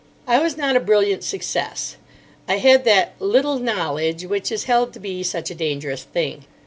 I was not a brilliant success. I had that "little knowledge" which is held to be such a dangerous thing.